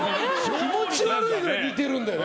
気持ち悪いぐらい似てるんだよね。